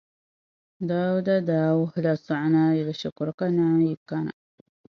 Dauda daa wuhila Sognaayili shikuru ka naanyi kani.